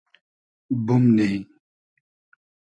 بومنی